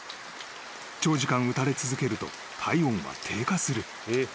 ［長時間打たれ続けると体温は低下する］